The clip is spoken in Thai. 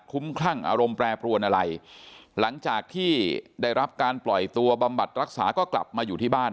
คุ้มคลั่งอารมณ์แปรปรวนอะไรหลังจากที่ได้รับการปล่อยตัวบำบัดรักษาก็กลับมาอยู่ที่บ้าน